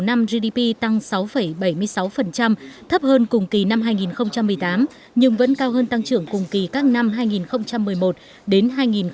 năm gdp tăng sáu bảy mươi sáu thấp hơn cùng kỳ năm hai nghìn một mươi tám nhưng vẫn cao hơn tăng trưởng cùng kỳ các năm hai nghìn một mươi một đến hai nghìn một mươi bảy